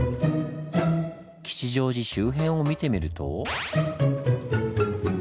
吉祥寺周辺を見てみると。